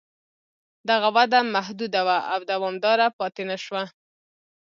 دغه وده محدوده وه او دوامداره پاتې نه شوه